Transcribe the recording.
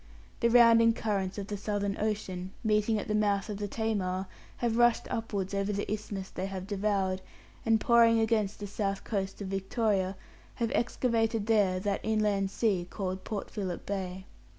The rounding currents of the Southern Ocean, meeting at the mouth of the Tamar, have rushed upwards over the isthmus they have devoured, and pouring against the south coast of Victoria, have excavated there that inland sea called Port Philip Bay.